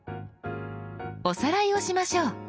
おさらいをしましょう。